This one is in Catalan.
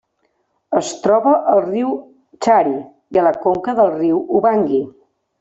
Es troba al riu Chari i a la conca del riu Ubangui.